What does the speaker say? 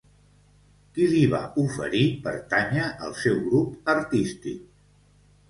Qui li va oferir pertànyer al seu grup artístic?